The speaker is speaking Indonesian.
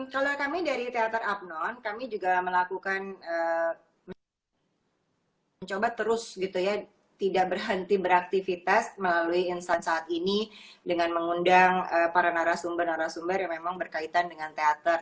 kalau kami dari telter abnon kami juga melakukan mencoba terus gitu ya tidak berhenti beraktivitas melalui instan saat ini dengan mengundang para narasumber narasumber yang memang berkaitan dengan teater